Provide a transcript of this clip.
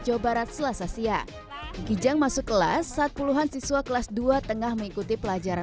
jawa barat selasa siang kijang masuk kelas saat puluhan siswa kelas dua tengah mengikuti pelajaran